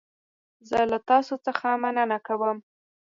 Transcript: زه له تاسو څخه مننه کوم.